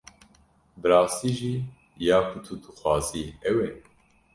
Bi rastî jî ya ku tu dixwazî ew e?